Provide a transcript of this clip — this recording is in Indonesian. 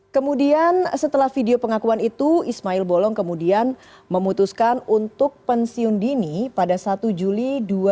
kemudian setelah video pengakuan itu ismail bolong kemudian memutuskan untuk pensiun dini pada satu juli dua ribu dua puluh